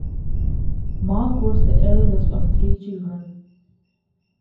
Mark was the eldest of three children.